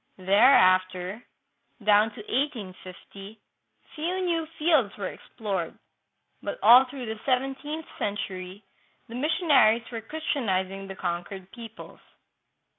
Thereafter, down to 1850, few new fields were explored, but all through the seven teenth century the missionaries were Christianizing the conquered peoples.